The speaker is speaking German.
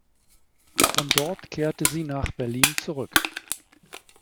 Von dort kehrte sie nach Berlin zurück.